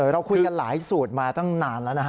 เราคุยกันหลายสูตรมาตั้งนานแล้วนะฮะ